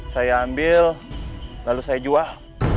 saya ambil lalu saya jual